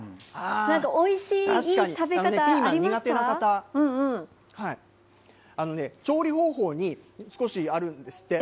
おいしい、いい食べ方ピーマン苦手の方調理方法に少しあるんですって。